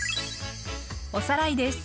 おさらいです。